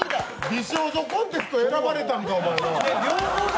美少女コンテスト選ばれたんか。